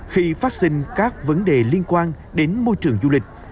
khi phát sinh các vấn đề liên quan đến môi trường du lịch